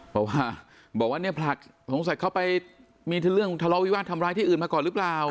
เพราะว่าบอกว่าเนี่ยผลักสงสัยเข้าไปมีเรื่องทะเลาวิวาสทำร้ายที่อื่นมาก่อนหรือเปล่า